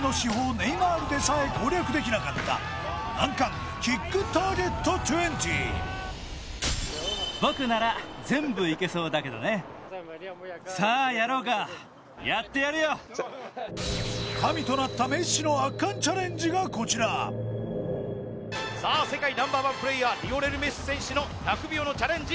ネイマールでさえ攻略できなかった難関キックターゲット２０さあやろうか神となったメッシのがこちらさあ世界Ｎｏ．１プレーヤーリオネル・メッシ選手の１００秒のチャレンジ